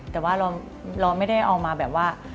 แต่ว่าเราไม่ได้เอามาแบบว่า